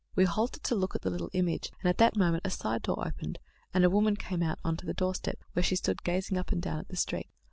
We halted to look at the little image, and at that moment the side door opened, and a woman came out on to the doorstop, where she stood gazing up and down the street.